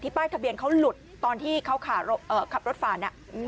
ป้ายทะเบียนเขาหลุดตอนที่เขาขับรถฝ่าน